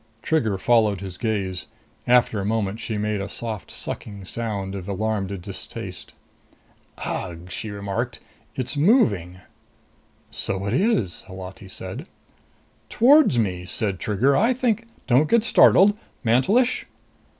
Trigger followed his gaze. After a moment she made a soft, sucking sound of alarmed distaste. "Ugh!" she remarked. "It's moving!" "So it is," Holati said. "Towards me!" said Trigger. "I think " "Don't get startled. Mantelish!"